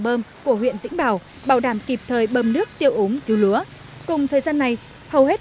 bơm của huyện vĩnh bảo bảo đảm kịp thời bơm nước tiêu úng cứu lúa cùng thời gian này hầu hết